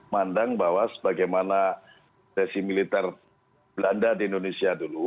mandang bahwa sebagaimana sesi militer belanda di indonesia dulu